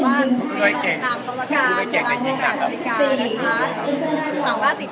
หวังว่าติดตามภาพไฮไลท์การเห็นขันให้บัตรนี้ได้ทางเทวโนโลยี